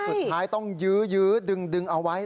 สุดท้ายต้องยื้อดึงเอาไว้